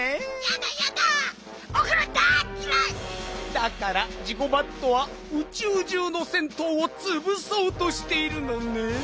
だからジゴバットはうちゅうじゅうの銭湯をつぶそうとしているのねん。